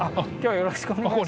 よろしくお願いします。